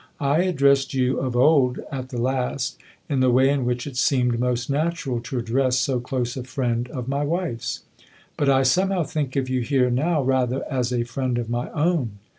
I addressed you of old at the last in the way in which it seemed most natural to address so close a friend of my wife's. But I somehow think of you here now rather as a friend of my own."